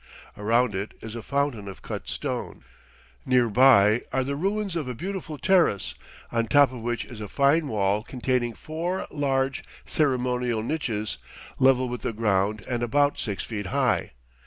Around it is a fountain of cut stone. Near by are the ruins of a beautiful terrace, on top of which is a fine wall containing four large, ceremonial niches, level with the ground and about six feet high.